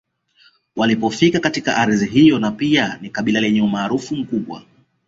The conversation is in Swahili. Walipofika katika ardhi hiyo na pia ni kabila lenye umaarufu mkubwa